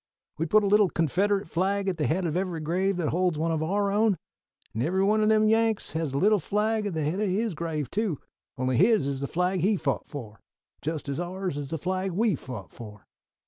We put a little Confederate flag at the head of every grave that holds one of our own; and every one o' them Yanks has a little flag at the head of his grave too, only his is the flag he fought for, just as ours is the flag we fought for.